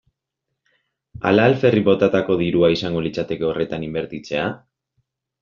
Ala alferrik botatako dirua izango litzateke horretan inbertitzea?